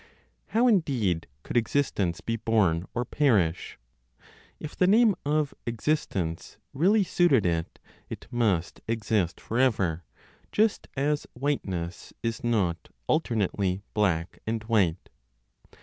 How indeed could existence be born or perish? If the name of "existence" really suited it, it must exist forever, just as whiteness is not alternately black and white.